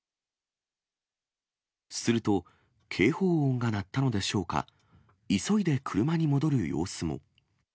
すると、警報音が鳴ったのでしょうか、急いで車に戻る様子も。